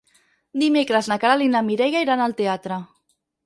Dimecres na Queralt i na Mireia iran al teatre.